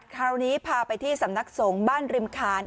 คราวนี้พาไปที่สำนักสงฆ์บ้านริมคาน